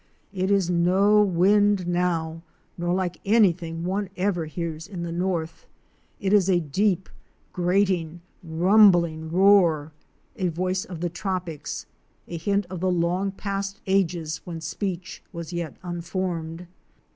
It is no wind now, nor like anything one ever hears in the north; it is a deep, grating, rumbling roar — a voice of the tropics; a hint of the long past ages when speech was yet unformed.